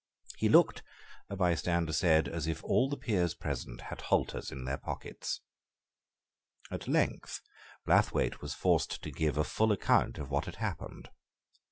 He looked, a bystander said, as if all the peers present had halters in their pockets. At length Blathwayt was forced to give a full account of what had passed.